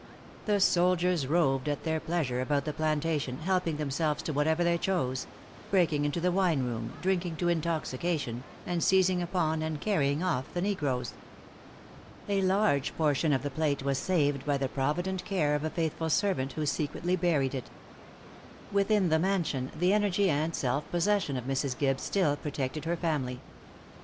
The soldiers roved at their pleasure about the plantation, helping themselves to whatever they chose; breaking into the wine room, drinking to intoxication, and seizing upon and carrying off the negroes. A large portion of the plate was saved by the provident care of a faithful servant, who secretly buried it. Within the mansion the energy and self possession of Mrs. Gibbes still protected her family.